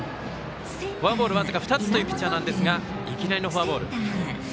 フォアボール僅か２つというピッチャーなんですがいきなりのフォアボール。